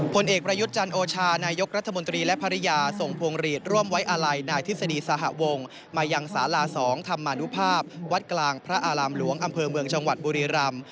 ผลเอกประยุทธ์จันโอชานายกรัฐมนตรีและภรรยาส่งพวงหลีดร่วมไว้อาลัยนายทฤษฎีสหวงมายังสารา๒ธรรมนุภาพวัดกลางพระอารามหลวงอำเภอเมืองจังหวัดบุรีรำ